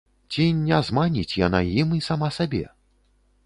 Ці не зманіць яна ім і сама сабе?